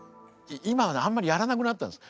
今はねあんまりやらなくなったんです。